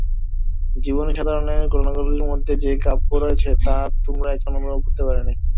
জীবনের সাধারণ ঘটনাগুলির মধ্যেও যে-কাব্য রয়েছে, তা তোমরা এখনও অনুভব করতে পারনি।